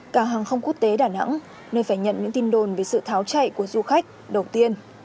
cảng hàng không quốc tế đà nẵng nơi phải nhận những tin đồn về sự tháo chạy của du khách đầu tiên